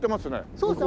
そうです。